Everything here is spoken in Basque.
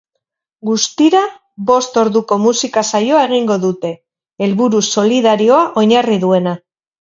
Guztira, bost orduko musika saioa egingo dute, helburu solidarioa oinarri duena.